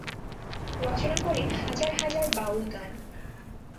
রচনা করেন হাজার হাজার বাউল গান।